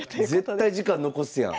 絶対時間残すやん。